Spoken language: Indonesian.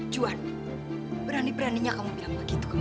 juan berani beraninya kamu bilang begitu ke mama